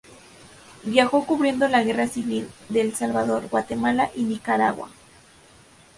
Viajó cubriendo la guerra civil de El Salvador, Guatemala y Nicaragua.